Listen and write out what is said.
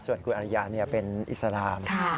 ส่วนคุณอริยาเนี่ยเป็นอิสราม